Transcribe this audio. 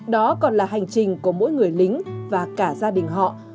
đó còn là hành trình của mỗi người lính và cả gia đình họ